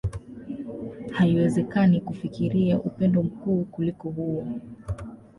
Haiwezekani kufikiria upendo mkuu kuliko huo.